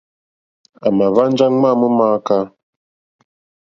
À mà hwánjá ŋmá mó mááká.